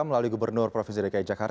melalui gubernur provinsi dki jakarta